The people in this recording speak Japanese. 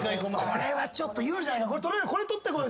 これはちょっと有利じゃないか？